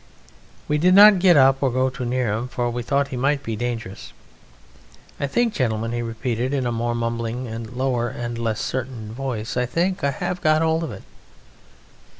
We did not get up or go too near him, for we thought he might be dangerous. "I think, gentlemen," he repeated in a more mumbling and lower and less certain voice, "I think I have got hold of it.